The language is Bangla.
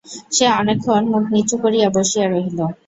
সে অনেকক্ষণ মুখ নিচু করিয়া বসিয়া রহিল।